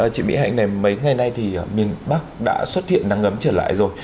chị mỹ hạnh này mấy ngày nay thì miền bắc đã xuất hiện nắng ấm trở lại rồi